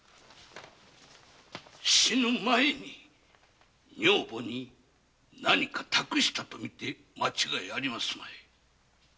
死ぬ前に女房に何か託したとみて間違いありますまい。